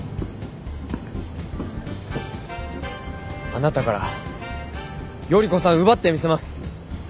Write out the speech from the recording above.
あなたから依子さん奪ってみせます。